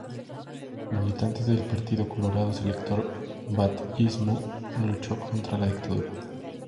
Militante del Partido Colorado, sector Batllismo, luchó contra la dictadura.